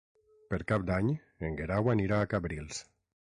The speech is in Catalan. Per Cap d'Any en Guerau anirà a Cabrils.